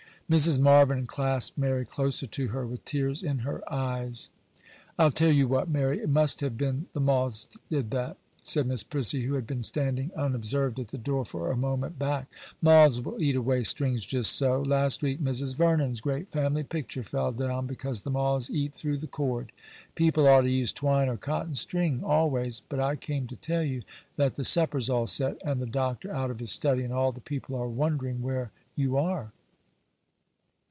Mrs. Marvyn clasped Mary closer to her, with tears in her eyes. 'I'll tell you what, Mary; it must have been the moths did that,' said Miss Prissy, who had been standing, unobserved, at the door for a moment back; 'moths will eat away strings just so. Last week Mrs. Vernon's great family picture fell down because the moths eat through the cord; people ought to use twine or cotton string always. But I came to tell you that the supper is all set, and the Doctor out of his study, and all the people are wondering where you are.